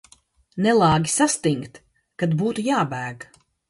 Nelāgi sastingt, kad būtu jābēg.